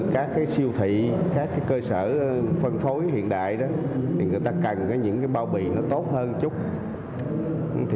các siêu thị các cơ sở phân phối hiện đại người ta cần những bao bì tốt hơn chút